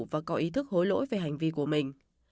và có ý thức hối lỗi về hành vi của mình